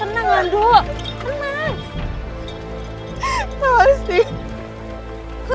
tenanglah dok tenang